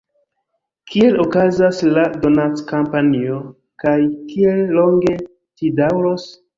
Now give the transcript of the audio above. Kiel okazas la donackampanjo, kaj kiel longe ĝi daŭros?